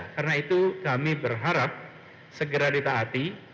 karena itu kami berharap segera ditaati